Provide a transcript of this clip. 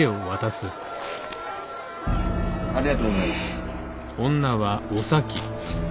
ありがとうございます。